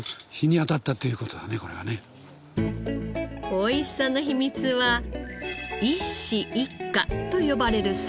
おいしさの秘密は「一枝一果」と呼ばれる栽培法。